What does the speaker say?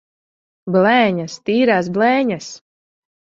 Blēņas! Tīrās blēņas!